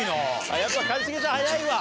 やっぱ一茂さん速いわ。